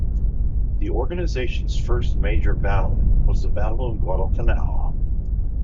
The organisation's first major battle was the Battle of Guadalcanal.